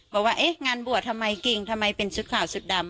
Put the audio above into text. บอกว่าเอ๊ะงานบวชทำไมเก่งทำไมเป็นชุดขาวสุดดำ